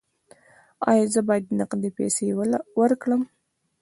ایا زه باید نغدې پیسې ورکړم؟